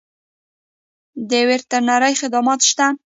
د وترنرۍ خدمات شته؟